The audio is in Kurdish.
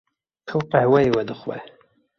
Ew qehweyê vedixwe.